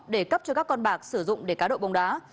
để cấp cho các con bạc sử dụng để cá độ bóng đá